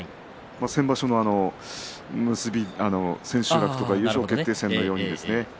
先場所の千秋楽とか優勝決定戦のようにですね。